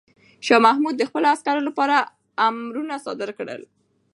شاه محمود د خپلو عسکرو لپاره امرونه صادر کړل.